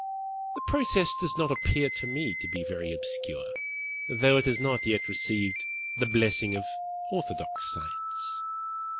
The process does not appear to me to be very obscure, though it has not yet received the blessing of orthodox science.